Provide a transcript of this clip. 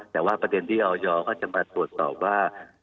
แต่ว่าประเด็นที่ออยเขาจะมาตรวจสอบว่า